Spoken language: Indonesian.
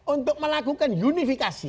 untuk melakukan unifikasi